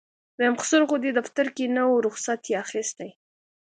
ويم خسر خو دې دفتر کې نه و رخصت يې اخېستی.